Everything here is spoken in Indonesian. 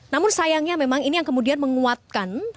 namun sayangnya memang ini yang kemudian menguatkan